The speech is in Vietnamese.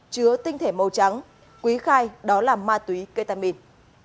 chứa tinh thể màu trắng quý khai đó là ma túy ketamin